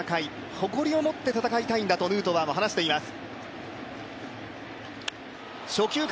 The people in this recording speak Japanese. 誇りを持って戦いたいんだとヌートバーも話しています。